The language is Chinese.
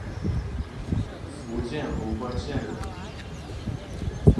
福建侯官县人。